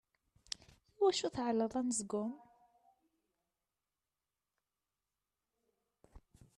I wacu tεelleḍt anezgum?